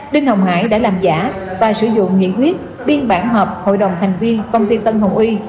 đinh hồng hải đã làm giả và sử dụng nghị quyết biên bản họp hội đồng thành viên công ty tân hồng uy